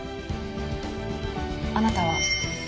あなたは。